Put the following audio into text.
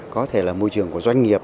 có thể là môi trường của doanh nghiệp